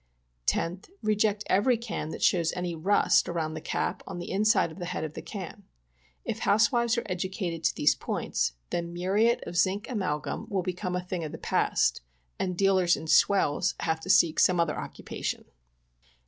10th. Reject every can that shows any rust around the cap on the inside of the head of the can. If housewives are educated to these points, then muriate of zinc amalgum will become a thing of the past, and dealers in " swells '' have to seek some other occupation.